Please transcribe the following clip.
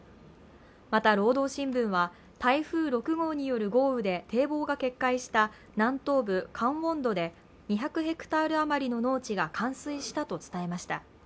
また「労働新聞」は台風６号による豪雨で堤防が決壊した南東部カンウォンドで２００ヘクタール余りの農地が冠水したと伝えました。